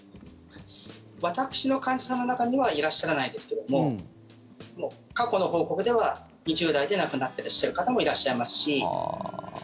私の患者さんの中にはいらっしゃらないですけども過去の報告では、２０代で亡くなっていらっしゃる方もいらっしゃいますし。